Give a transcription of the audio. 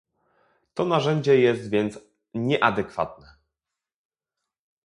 To narzędzie jest więc nieadekwatne